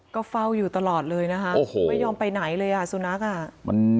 ก็เฝ้าอยู่ตลอดเลยนะคะโอ้โหไม่ยอมไปไหนเลยอ่ะสุนัขอ่ะมัน